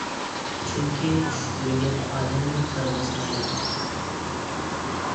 چۈنكى چۈش كۆرگەن ئادەمنى قارا باسمايدۇ.